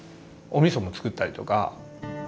おみそも造ったりとか。